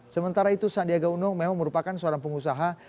sementara itu sandiaga uno memang merupakan seorang pengusaha